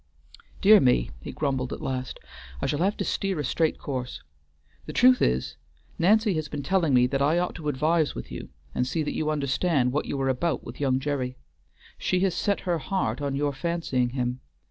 "Dear me!" he grumbled at last, "I shall have to steer a straight course. The truth is, Nancy has been telling me that I ought to advise with you, and see that you understand what you are about with young Gerry. She has set her heart on your fancying him.